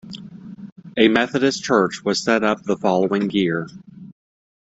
A Methodist church was set up the following year.